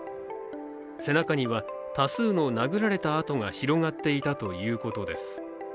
背中には多数の殴られた痕が広がっていたということです。